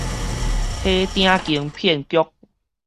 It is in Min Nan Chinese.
火鼎間騙局